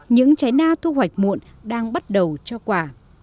những trái na thu hoạch muộn đang bắt đầu cho quả